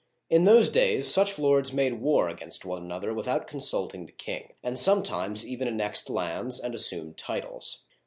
In those days such lords made war against one another without consulting the king, and sometimes even annexed lands and assumed titles.